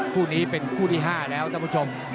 คู่นี้เป็นคู่ที่๕แล้วท่านผู้ชม